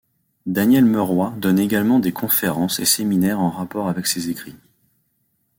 Daniel Meurois donne également des conférences et séminaires en rapport avec ses écrits.